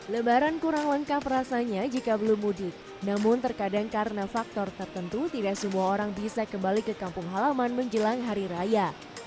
lebaran kurang lengkap rasanya jika belum mudik namun terkadang karena faktor tertentu tidak semua orang bisa kembali ke kampung halaman menjelang hari raya